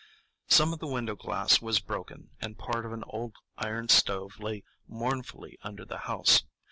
Some of the window glass was broken, and part of an old iron stove lay mournfully under the house.